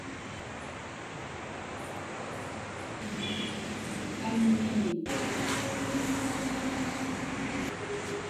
Anniiñ.